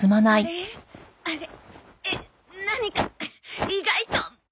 えっ何か意外とむずか。